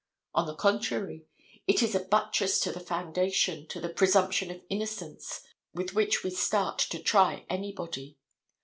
On the contrary, it is a buttress to the foundation, to the presumption of innocence with which we start to try anybody.